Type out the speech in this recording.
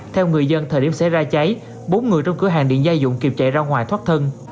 theo người dân thời điểm xảy ra cháy bốn người trong cửa hàng điện gia dụng kịp chạy ra ngoài thoát thân